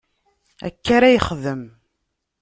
Akka ara yexdem.